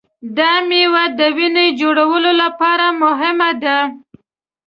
دا مېوه د وینې جوړولو لپاره مهمه ده.